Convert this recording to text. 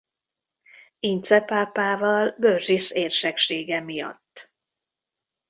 Ince pápával Bourges érseksége miatt.